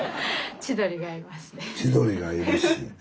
千鳥がいるし。